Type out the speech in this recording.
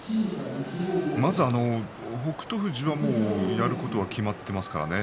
まず北勝富士はやることは決まっていますからね。